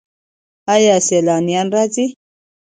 آیا سیلانیان راځي؟